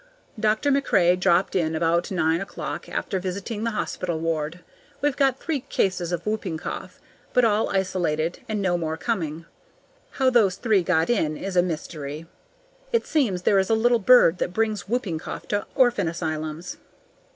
Dr. MacRae dropped in about nine o'clock, after visiting the hospital ward. We've got three cases of whooping cough, but all isolated, and no more coming. How those three got in is a mystery. It seems there is a little bird that brings whooping cough to orphan asylums.